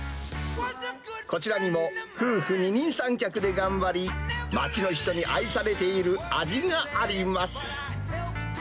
こちらにも、夫婦二人三脚で頑張り、街の人に愛されている味があります。